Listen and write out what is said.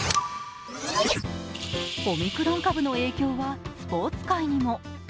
オミクロン株の影響はスポーツ界にも。